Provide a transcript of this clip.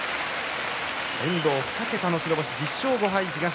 遠藤は２桁の白星、１０勝５敗。